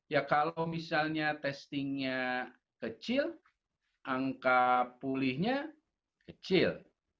ya kalau misalnya testingnya kecil angka pulihnya kecil